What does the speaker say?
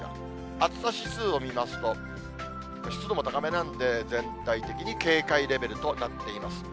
暑さ指数を見ますと、湿度も高めなんで、全体的に警戒レベルとなっています。